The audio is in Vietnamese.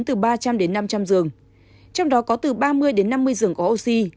từ ba trăm linh đến năm trăm linh giường trong đó có từ ba mươi đến năm mươi giường có oxy